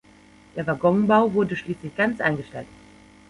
Der Waggonbau wurde schließlich ganz eingestellt.